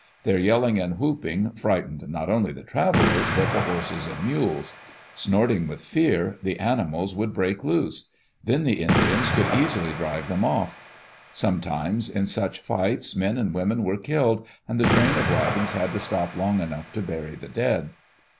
Their yelling and whooping frightened not only the travelers but the horses and mules. Snorting with fear, the animals would break loose. Then the Indians could easily drive them off. Sometimes in such fights men and women were killed, and the train of wagons had to stop long enough to bury the dead.